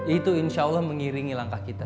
itu insya allah mengiringi langkah kita